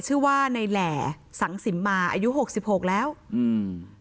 ชื่อว่าในแหล่สังสิมมาอายุหกสิบหกแล้วอืม